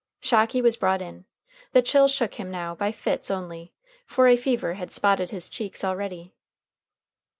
Shocky was brought in. The chill shook him now by fits only, for a fever had spotted his cheeks already.